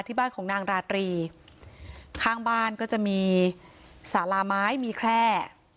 ที่บ้านของนางราตรีข้างบ้านก็จะมีสาราไม้มีแคร่